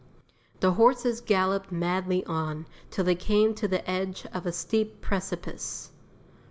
The horses galloped madly on, till they came to the edge of a steep precipice.